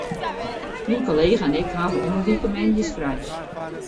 Myn kollega en ik hawwe om 'e wike moandeis frij.